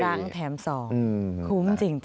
หนึ่งครั้งแถมสองคุ้มจริง